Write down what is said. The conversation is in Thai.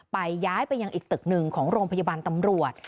ย้ายไปยังอีกตึกหนึ่งของโรงพยาบาลตำรวจ